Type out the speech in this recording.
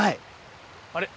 あれ？